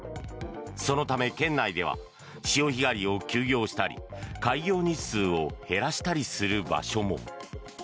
そのため、県内では潮干狩りを休業したり開業日数を減らしたりする場所も。